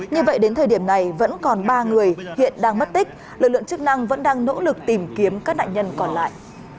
như vậy đến thời điểm này vẫn còn ba người hiện đang mất tích lực lượng chức năng vẫn đang nỗ lực tìm kiếm các nạn nhân còn lại